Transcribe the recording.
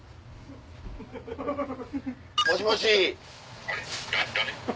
もしもし。